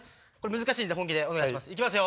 難しいんで本気でお願いします。